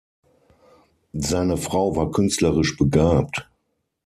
Seine Frau war künstlerisch begabt.